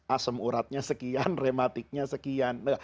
asem uratnya sekian reumatiknya sekian